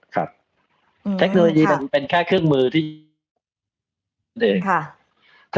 เทคโนโลยีมันเป็นแค่เครื่องมือที่เอง